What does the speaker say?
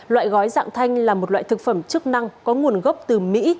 loại gói dạng thanh là một loại thực phẩm chức năng có nguồn gốc từ mỹ